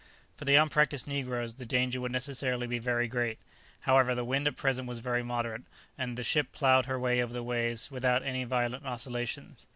For the unpractised negroes the danger would necessarily be very great. However, the wind at present was very moderate, and the ship ploughed her way over the waves without any violent oscillations.